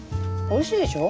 おいしいでしょ？